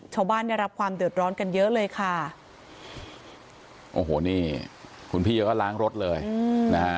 ชาวบ้านได้รับความเดือดร้อนกันเยอะเลยค่ะโอ้โหนี่คุณพี่เขาก็ล้างรถเลยอืมนะฮะ